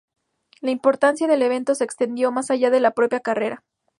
La importancia del evento se extendió más allá de la propia carrera.